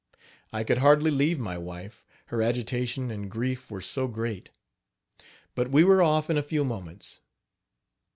I could hardly leave my wife, her agitation and grief were so great. But we were off in a few moments.